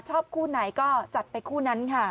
ชอบคู่ไหนก็จัดไปคู่นั้นค่ะ